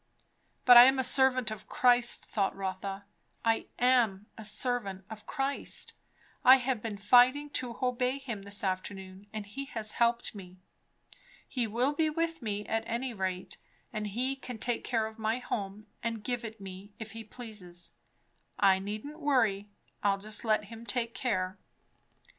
But I am a servant of Christ thought Rotha, I am a servant of Christ; I have been fighting to obey him this afternoon, and he has helped me. He will be with me, at any rate; and he can take care of my home and give it me, if he pleases. I needn't worry. I'll just let him take care.